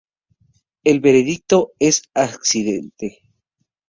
El veredicto es accidente.